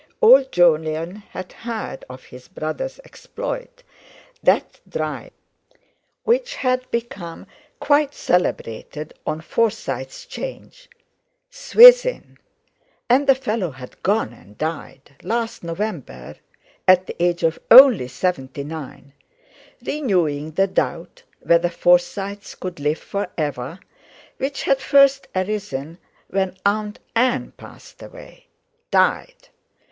Old Jolyon had heard of his brother's exploit—that drive which had become quite celebrated on Forsyte 'Change. Swithin! And the fellow had gone and died, last November, at the age of only seventy nine, renewing the doubt whether Forsytes could live for ever, which had first arisen when Aunt Ann passed away. Died!